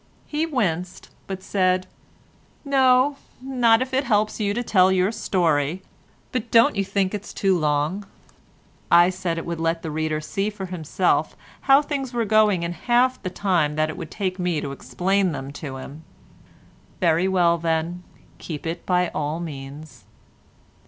He winced, but said "No, not if it helps you to tell your story: but don't you think it is too long?" I said it would let the reader see for himself how things were going in half the time that it would take me to explain them to him. "Very well then, keep it by all means."